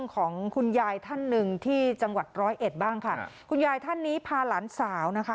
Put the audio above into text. ของคุณยายท่านหนึ่งที่จังหวัดร้อยเอ็ดบ้างค่ะคุณยายท่านนี้พาหลานสาวนะคะ